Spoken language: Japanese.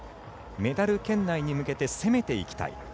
メダル圏内に向けて攻めていきたい。